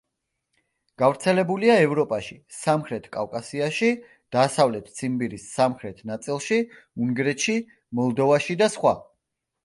გავრცელებულია ევროპაში, სამხრეთ კავკასიაში, დასავლეთ ციმბირის სამხრეთ ნაწილში, უნგრეთში, მოლდოვაში და სხვა.